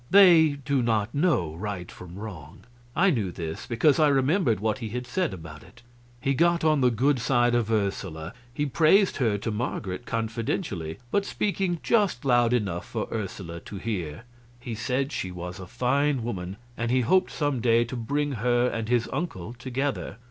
They do not know right from wrong; I knew this, because I remembered what he had said about it. He got on the good side of Ursula. He praised her to Marget, confidentially, but speaking just loud enough for Ursula to hear. He said she was a fine woman, and he hoped some day to bring her and his uncle together.